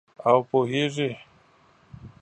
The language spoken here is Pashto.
او پوهیږې